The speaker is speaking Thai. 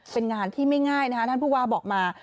เป็นงานที่ไม่ง่ายนะคะท่านผู้ว่าบอกมา